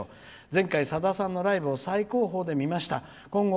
前回のさださんのライブを最後方で見ました。